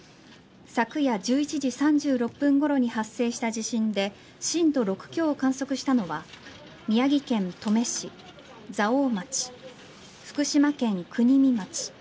昨夜１１時３６分ごろに発生した地震で震度６強を観測したのは宮城県登米市蔵王町福島県国見町